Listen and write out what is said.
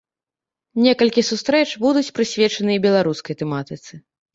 Некалькі сустрэч будуць прысвечаны і беларускай тэматыцы.